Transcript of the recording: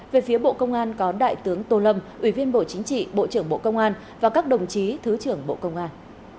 về phía bộ công an có đại tướng tô lâm ủy viên bộ chính trị bộ trưởng bộ công an và các đồng chí thứ trưởng bộ công an